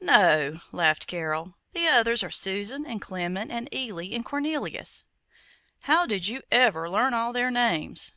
"No," laughed Carol, "the others are Susan, and Clement, and Eily, and Cornelius." "How did you ever learn all their names?"